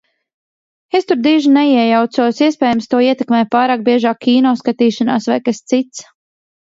Es tur diži neiejaucos. Iespējams, to ietekmē pārāk biežā kino skatīšanās vai kas cits.